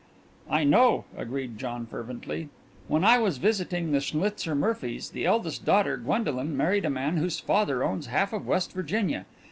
"I know," agreed John fervently. "When I was visiting the Schnlitzer Murphys, the eldest daughter, Gwendolyn, married a man whose father owns half of West Virginia.